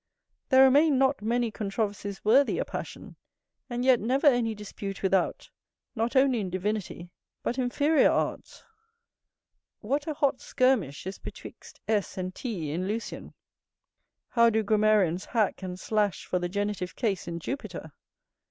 There remain not many controversies worthy a passion, and yet never any dispute without, not only in divinity but inferior arts. What a βατραχομυομαχία and hot skirmish is betwixt S. and T. in Lucian! How do grammarians hack and slash for the genitive case in Jupiter!